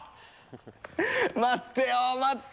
待ってよ待って！